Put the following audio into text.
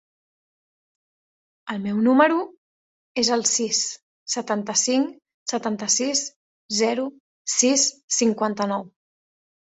El meu número es el sis, setanta-cinc, setanta-sis, zero, sis, cinquanta-nou.